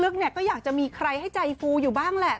เนี่ยก็อยากจะมีใครให้ใจฟูอยู่บ้างแหละ